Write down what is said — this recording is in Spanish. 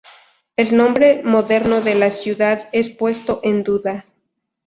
El nombre moderno de la ciudad es puesto en duda.